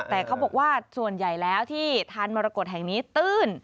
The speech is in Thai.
แต่เขาบอกว่าส่วนใหญ่แล้วที่ทานมรกฏแห่งนี้ตื้น